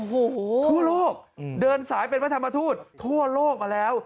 โอ้โหทั่วโลกเดินสายเป็นพระธรรมทูตทั่วโลกมาแล้ว